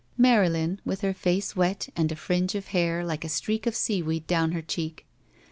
MaryUn with her face wet and a fringe of hair, like a streak of seaweed, down her cheek!